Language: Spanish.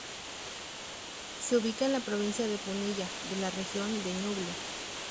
Se ubica en la Provincia de Punilla, de la Región de Ñuble.